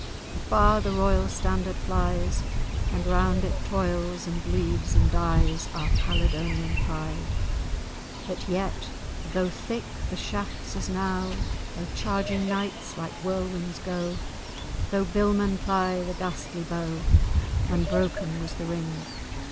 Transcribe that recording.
"Afar, the royal standard flies, And round it toils and bleeds and dies. Our Caledonian pride!" But yet, though thick the shafts as now, Though charging knights like whirlwinds go, Though billmen ply the ghastly bow, Unbroken was the ring.